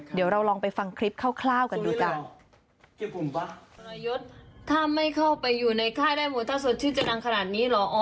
เดี๋ยวเราลองไปฟังคลิปเข้ากันดูกัน